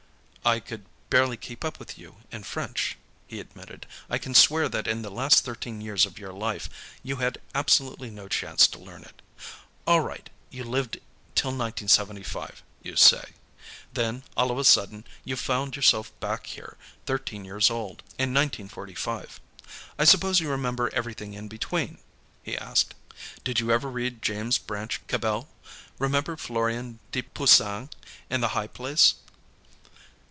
"I could barely keep up with you, in French," he admitted. "I can swear that in the last thirteen years of your life, you had absolutely no chance to learn it. All right; you lived till 1975, you say. Then, all of a sudden, you found yourself back here, thirteen years old, in 1945. I suppose you remember everything in between?" he asked. "Did you ever read James Branch Cabell? Remember Florian de Puysange, in 'The High Place'?"